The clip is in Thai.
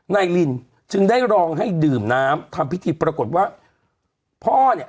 ลินจึงได้ลองให้ดื่มน้ำทำพิธีปรากฏว่าพ่อเนี่ย